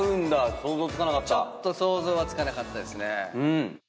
ちょっと想像はつかなかったですね。